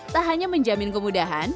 tak hanya menjamin kemudahan